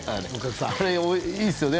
あれいいですよね